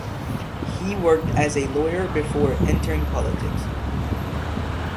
He worked as a lawyer before entering politics.